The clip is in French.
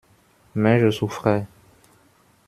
Mais je souffrais.